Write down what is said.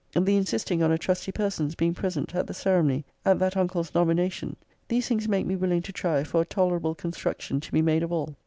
>>> The insisting on a trusty person's being present at the ceremony, at that uncle's nomination These things make me willing to try for a tolerable construc tion to be made of all.